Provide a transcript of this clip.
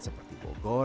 sepertinya di jalur jalur